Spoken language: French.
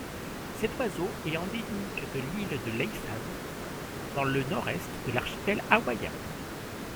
Cet oiseau est endémique de l'île de Laysan dans le nord-est de l'archipel hawaïen.